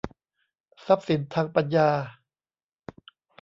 ทรัพย์สินทางปัญญา